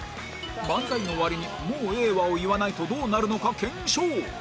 漫才の終わりに「もうええわ」を言わないとどうなるのか検証